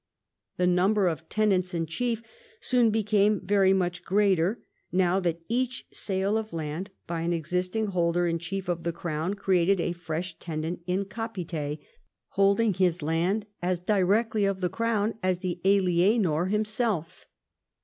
The number of tenants in chief soon became very much greater, now that each sale of land by an existing holder in chief of the crown created a fresh tenant in capite, holding his land as directly of the crown as the alienor himself.